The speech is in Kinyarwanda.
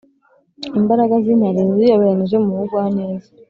imbaraga z'intare ziyoberanije mu bugwaneza